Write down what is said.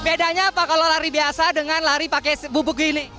bedanya apa kalau lari biasa dengan lari pakai bubuk gini